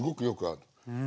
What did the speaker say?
うん。